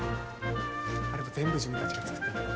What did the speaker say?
あれも全部自分たちが作ってんねん。